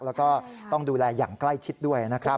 แล้วก็ต้องดูแลอย่างใกล้ชิดด้วยนะครับ